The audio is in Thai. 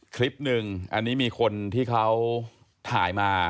คลิปหนึ่งอันนี้มีคนที่เขาถ่ายมา